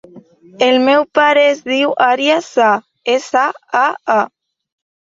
El meu pare es diu Aria Saa: essa, a, a.